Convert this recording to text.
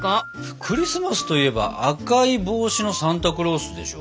クリスマスといえば赤い帽子のサンタクロースでしょ？